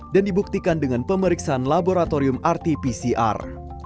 dan dibuktikan dengan pemeriksaan laboratorium rt pcr